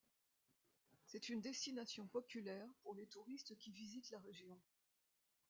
C'est une destination populaire pour les touristes qui visitent la région.